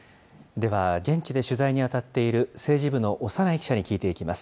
では、現地で取材に当たっている政治部の長内記者に聞いていきます。